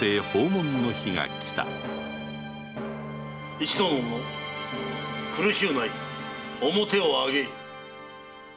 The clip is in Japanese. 一同の者苦しゅうない面を上げい。